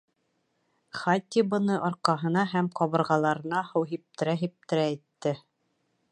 — Хати быны арҡаһына һәм ҡабырғаларына һыу һиптерә-һиптерә әйтте.